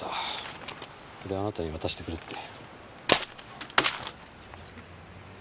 これあなたに渡してくれって。